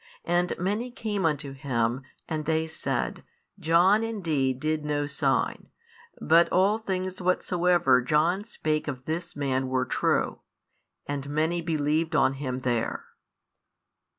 And many came unto Him; and they said, John indeed did no sign: but all things whatsoever John spake of this Man were true. And many believed on Him there.